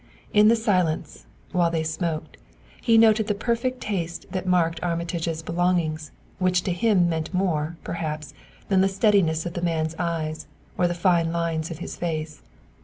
In the silence, while they smoked, he noted the perfect taste that marked Armitage's belongings, which to him meant more, perhaps, than the steadiness of the man's eyes or the fine lines of his face.